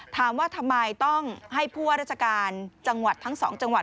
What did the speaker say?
ถามว่าทำไมต้องให้ผู้ว่าราชการจังหวัดทั้งสองจังหวัด